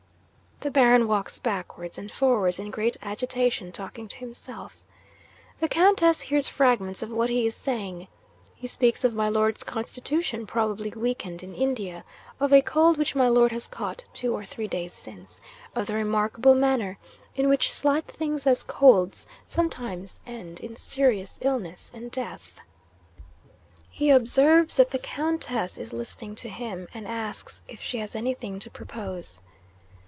'The Baron walks backwards and forwards in great agitation, talking to himself. The Countess hears fragments of what he is saying. He speaks of my Lord's constitution, probably weakened in India of a cold which my Lord has caught two or three days since of the remarkable manner in which such slight things as colds sometimes end in serious illness and death. 'He observes that the Countess is listening to him, and asks if she has anything to propose.